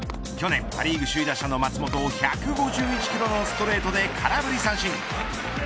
去年、パ・リーグ首位打者の松本を１５１キロのストレートで空振り三振。